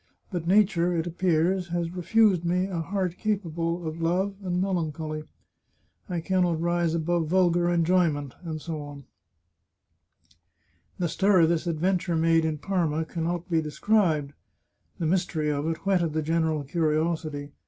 But nature, it appears, has refused me a heart capable of love and melancholy ; I can not rise above vulgar enjoyment, etc." The stir this adventure made in Parma can not be described. The mystery of it whetted the general curiosity.